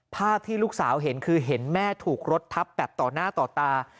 ภาพที่ลูกสาวเห็นคือเห็นแม่ถูกรถทับแบบต่อหน้าต่อตา